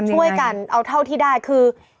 ช่วยกันเอาเท่าที่ได้คือ